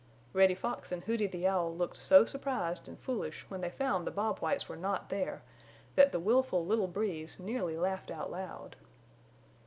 Reddy Fox and Hooty the Owl looked so surprised and foolish when they found the Bob Whites were not there that the willful little Breeze nearly laughed out loud.